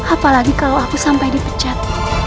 apalagi kalau aku sampai dipecat